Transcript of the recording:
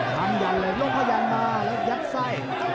ทำยันเลยลบพยานมาแล้วยัดไส้